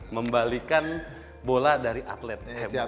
membalikan bola dari atlet